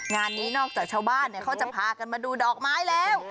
งานนี้นอกจากชาวบ้านเขาจะพากันมาดูดอกไม้แล้ว